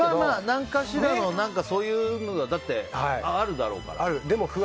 何かしらのそういうのはあるだろうから。